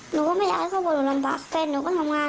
หนูก็ไม่อยากให้ครอบครัวหนูลำบากเป็นหนูก็ทำงาน